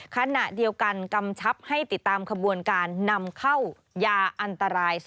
ขณะเดียวกันกำชับให้ติดตามขบวนการนำเข้ายาอันตราย